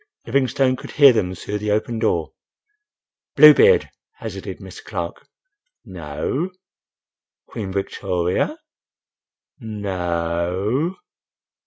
Livingstone could hear them through the open door. "Blue Beard," hazarded Mr. Clark. "No—o!" "Queen Victoria?" "No—o—o!"